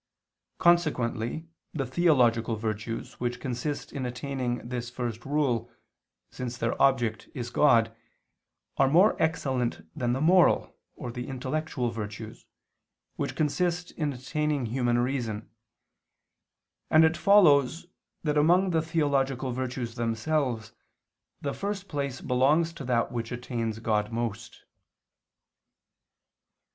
Consequently the theological virtues, which consist in attaining this first rule, since their object is God, are more excellent than the moral, or the intellectual virtues, which consist in attaining human reason: and it follows that among the theological virtues themselves, the first place belongs to that which attains God most.